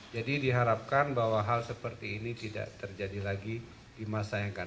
jadi diharapkan bahwa hal seperti ini tidak terjadi lagi di masa yang akan datang